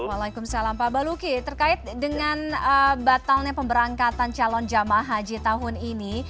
waalaikumsalam pak baluki terkait dengan batalnya pemberangkatan calon jemaah haji tahun ini